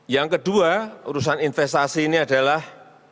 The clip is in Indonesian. yang kedua urusan investasi ini adalah